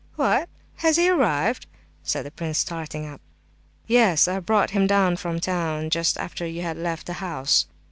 "What! has he arrived?" said the prince, starting up. "Yes, I brought him down from town just after you had left the house."